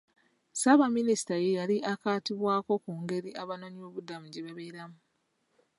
Ssaabaminisita ye yali akwatibwako ku ngeri abanoonyiboobubudamu gye babeeramu.